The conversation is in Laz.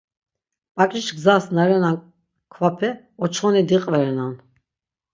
Bak̆iş gzas na renan kvape oçxoni diqverenan.